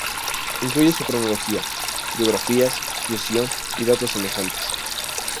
Incluye su cronología, biografías, sucesión y datos semejantes.